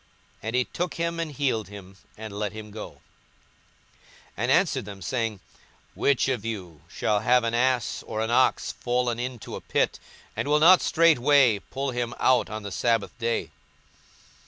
And he took him, and healed him, and let him go; 42:014:005 And answered them, saying, Which of you shall have an ass or an ox fallen into a pit, and will not straightway pull him out on the sabbath day?